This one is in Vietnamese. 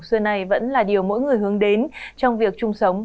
xưa này vẫn là điều mỗi người hướng đến trong việc chung sống